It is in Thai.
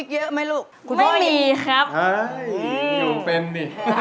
อยู่เป็น